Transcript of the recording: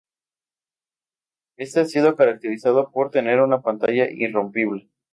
Este ha sido caracterizado por tener una "pantalla irrompible".